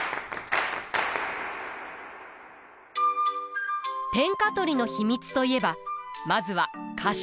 天下取りの秘密といえばまずは家臣団。